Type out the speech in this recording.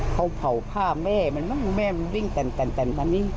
เขาเผาผ้าแม่มันมั้งแม่มันวิ่งแต่นตอนนี้